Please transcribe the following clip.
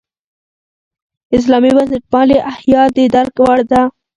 اسلامي بنسټپالنې احیا د درک وړ ده.